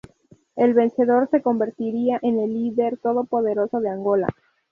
El vencedor se convertiría en el líder todopoderoso de Angola.